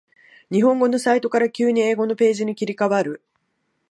日本語のサイトから急に英語のページに切り替わる